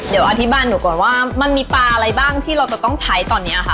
เดี๋ยวอธิบายหนูก่อนว่ามันมีปลาอะไรบ้างที่เราจะต้องใช้ตอนนี้ค่ะ